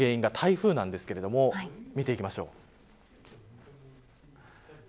では、この雨の原因が台風なんですけど見ていきましょう。